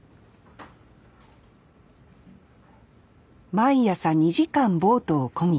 毎朝２時間ボートを漕ぎ